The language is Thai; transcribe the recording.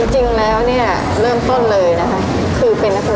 จริงแล้วเนี่ยเริ่มต้นเลยนะคะ